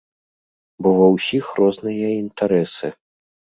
Бо ва ўсіх розныя інтарэсы.